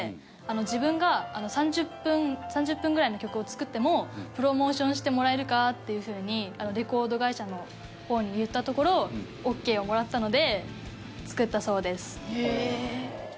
自分が３０分ぐらいの曲を作ってもプロモーションしてもらえるかっていう風にレコード会社の方に言ったところオーケーをもらったので。